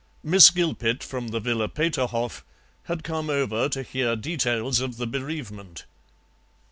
Miss Gilpet, from the Villa Peterhof, had come over to hear details of the bereavement.